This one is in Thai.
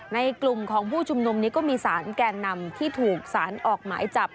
ในกลุ่มของผู้ชุมนุมนี้ก็มีสารแก่นำที่ถูกสารออกหมายจับ